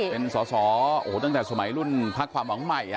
เป็นสอสอตั้งแต่สมัยรุ่นพักความหวังใหม่